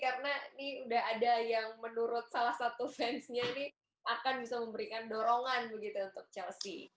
karena ini sudah ada yang menurut salah satu fansnya nih akan bisa memberikan dorongan begitu untuk chelsea